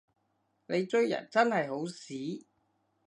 你追人真係好屎